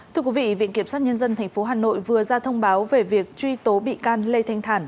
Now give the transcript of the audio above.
thưa quý vị viện kiểm sát nhân dân tp hà nội vừa ra thông báo về việc truy tố bị can lê thanh thản